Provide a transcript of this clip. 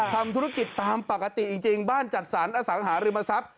ทำธุรกิจตามปกติจริงบ้านจัดสรรอสังหาริมทรัพย์